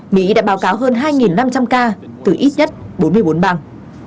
mỹ đã báo cáo hơn hai năm trăm linh ca từ ít nhất bốn mươi bốn bang